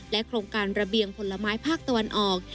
โครงการระเบียงผลไม้ภาคตะวันออก